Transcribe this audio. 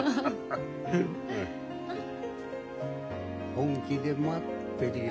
本気で待ってるよ。